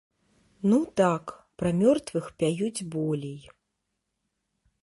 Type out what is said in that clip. Ну так, пра мёртвых пяюць болей.